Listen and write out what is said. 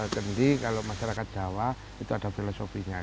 kendi kalau masyarakat jawa itu ada filosofinya